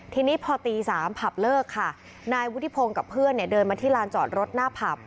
ทีนี้พอตี๓ผับเลิกค่ะนายวุฒิพงศ์กับเพื่อนเดินมาที่ลานจอดรถหน้าผับ